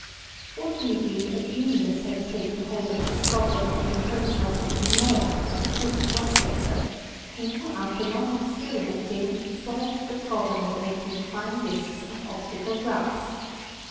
Fortunately a genius had taken hold of this problem in the person of Guinand, a Swiss watchmaker, who, after long experimenting, solved the problem of making fine disks of optical glass.